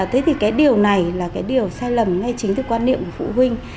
thế thì cái điều này là cái điều sai lầm ngay chính từ quan niệm của phụ huynh